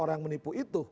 orang yang menipu itu